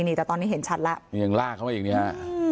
นี่แต่ตอนนี้เห็นชัดแล้วยังลากเข้าไปอย่างนี้ค่ะ